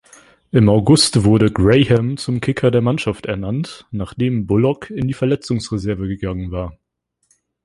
Im August wurde Graham zum Kicker der Mannschaft ernannt, nachdem Bullock in die Verletzungsreserve gegangen war.